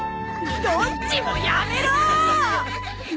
どっちもやめろー！